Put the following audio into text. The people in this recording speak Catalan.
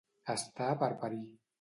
Estar per parir.